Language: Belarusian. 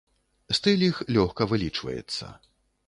Стыль іх лёгка вылічваецца.